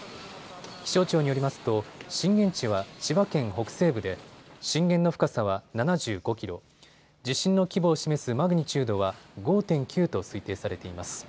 気象庁によりますと震源地は千葉県北西部で震源の深さは７５キロ、地震の規模を示すマグニチュードは５．９と推定されています。